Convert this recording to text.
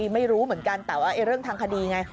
ไม่รู้เหมือนกันแต่ว่าเรื่องทางคดีไง